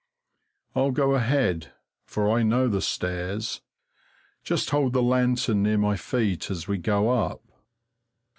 I'll go ahead, for I know the stairs; just hold the lantern near my feet as we go up.